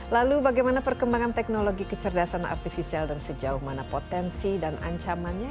lalu bagaimana perkembangan teknologi kecerdasan artifisial dan sejauh mana potensi dan ancamannya